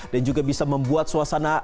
dan juga bisa membuat suasana